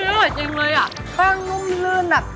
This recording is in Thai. อร่อยจริงเลยอ่ะแป้งนุ่มลื่นแบบ